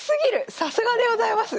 さすがでございます！